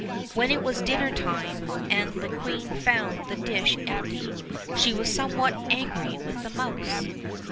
When it was dinner time, and the queen found the dish empty, she waa somewhat angry with the mouse.